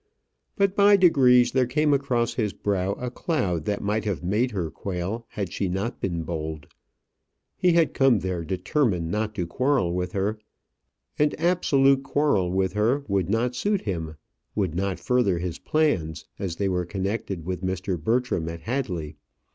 But by degrees there came across his brow a cloud that might have made her quail had she not been bold. He had come there determined not to quarrel with her. An absolute quarrel with her would not suit him would not further his plans, as they were connected with Mr. Bertram at Hadley.